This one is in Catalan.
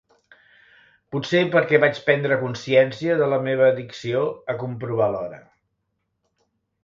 Potser perquè vaig prendre consciència de la meva addicció a comprovar l'hora.